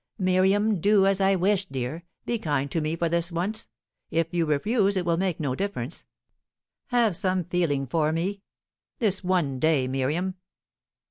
"Miriam! Do as I wish, dear. Be kind to me for this once. If you refuse, it will make no difference. Have some feeling for me. This one day, Miriam."